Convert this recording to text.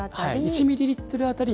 １ミリリットル当たり。